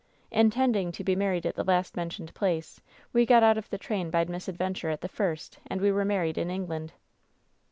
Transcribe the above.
^Intending to be married at the last mentioned place, we got out of the train by misadventure at the first, and we were married in England.'